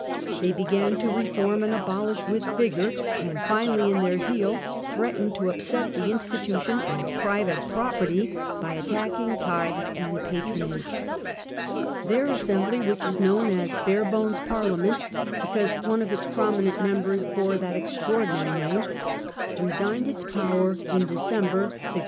They began to reform and abolish with vigour, and finally, in their zeal, threatened to upset the institution of private property by attacking tithes and patronage. Their assem bly, which is known as " Barebones Parliament ", because one of its prominent members bore that extraordinary name, resigned its power in December, 1653.